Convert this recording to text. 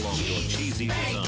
チーズ！